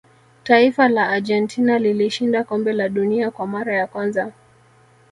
taifa la argentina lilishinda kombe la dunia kwa mara ya kwanza